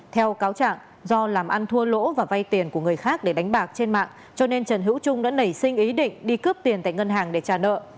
theo cáo trạng do làm ăn thua lỗ và vay tiền của người khác để đánh bạc trên mạng cho nên trần hữu trung đã nảy sinh ý định đi cướp tiền tại ngân hàng để trả nợ